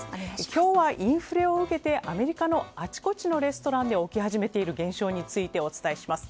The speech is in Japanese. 今日はインフレを受けてアメリカのあちこちのレストランで起き始めている現象についてお伝えします。